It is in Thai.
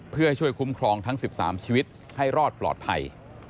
เพื่อให้ช่วยคุ้มครองทั้ง๑๓ชีวิตให้รอดปลอดภัย